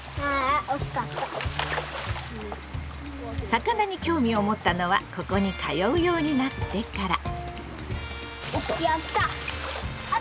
魚に興味を持ったのはここに通うようになってから。